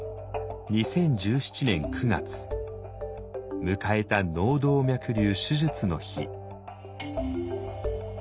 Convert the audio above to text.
２０１７年９月迎えた「脳動脈瘤」手術の日。